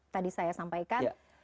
tadi saya sampaikan